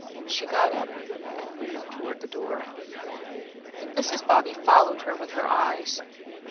She got up and moved towards the door. Mrs. Bobby followed her with her eyes.